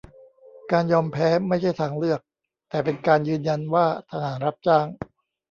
การยอมแพ้ไม่ใช่ทางเลือก แต่เป็นการยืนยันว่าทหารรับจ้าง